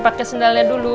pake sendalnya dulu